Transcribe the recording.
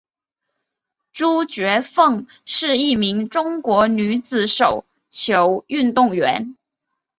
朱觉凤是一名中国女子手球运动员。